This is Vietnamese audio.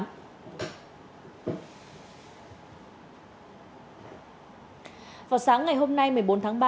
vào sáng ngày hôm nay tòa án nhân dân tỉnh vĩnh phúc đã tuyên phạt bị cáo nguyễn văn tám